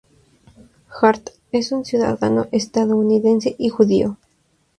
Hart es un ciudadano estadounidense y judío.